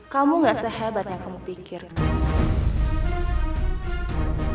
kamu gak sehebat yang kamu pikirin